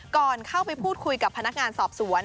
ก่อนเข้าไปพูดคุยกับพนักงานสอบสวน